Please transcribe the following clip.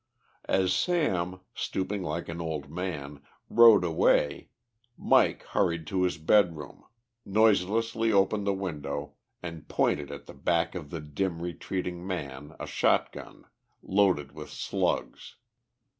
As Sam, stooping like an old man, rode away, Mike hurried to his bedroom, noiselessly opened the window, and pointed at the back of the dim retreating man a shot gun, loaded with slugs.